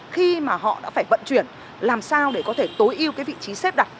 khi mà họ đã phải vận chuyển làm sao để có thể tối ưu cái vị trí xếp đặt